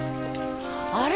あれ？